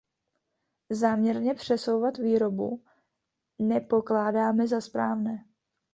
Záměrně přesouvat výrobu nepokládáme za správné.